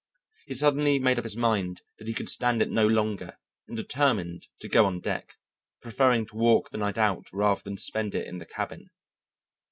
He suddenly made up his mind that he could stand it no longer, and determined to go on deck, preferring to walk the night out rather than spend it in the cabin.